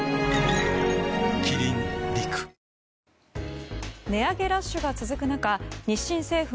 キリン「陸」値上げラッシュが続く中日清製粉